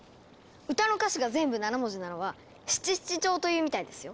歌の歌詞が全部７文字なのは「七七調」というみたいですよ。